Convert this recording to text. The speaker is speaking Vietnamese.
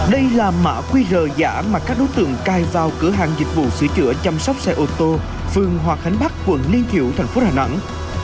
đây là mã qr giả mà các đối tượng cai vào cửa hàng dịch vụ sửa chữa chăm sóc xe ô tô phương hòa khánh bắc quận liên triệu thành phố đà nẵng